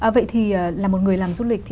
vậy thì làm một người làm du lịch